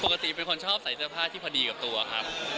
เป็นคนชอบใส่เสื้อผ้าที่พอดีกับตัวครับ